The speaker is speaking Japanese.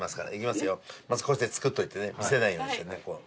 まずこうして作っといてね見せないようにしてねこう。